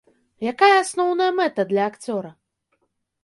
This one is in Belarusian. Якая асноўная мэта для акцёра?